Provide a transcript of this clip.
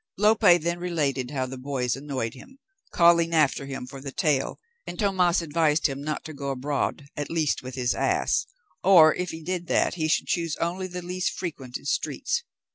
Lope then related how the boys annoyed him, calling after him for the tail, and Tomas advised him not to go abroad, at least with his ass, or if he did that he should choose only the least frequented streets.